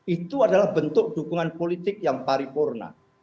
itu adalah bentuk dukungan politik yang paripurna